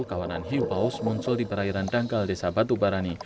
kawanan hiu paus muncul di perairan dangkal desa batu barani